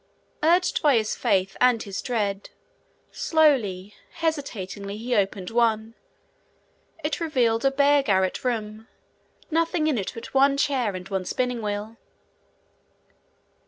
Urged by his faith and his dread, slowly, hesitatingly, he opened one. It revealed a bare garret room, nothing in it but one chair and one spinning wheel.